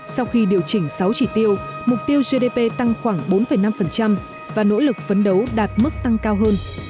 sau khi điều chỉnh sáu chỉ tiêu mục tiêu gdp tăng khoảng bốn năm và nỗ lực phấn đấu đạt mức tăng cao hơn